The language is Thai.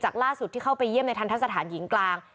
ล่าสุดที่เข้าไปเยี่ยมในทันทะสถานหญิงกลาง